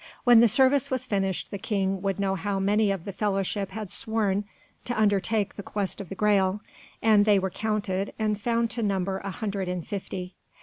When the service was finished the King would know how many of the fellowship had sworn to undertake the quest of the Graal, and they were counted, and found to number a hundred and fifty.